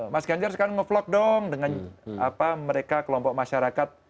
mas ganjar sekarang ngevlog dong dengan mereka kelompok masyarakat